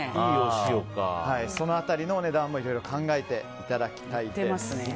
その辺りのお値段もいろいろ考えていただきたいです。